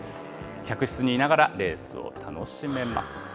客室にいながらレースを楽しめま